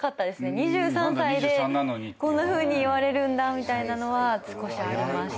２３歳でこんなふうに言われるんだみたいなのは少しありました。